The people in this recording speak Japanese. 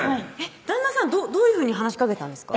旦那さんどういうふうに話しかけたんですか？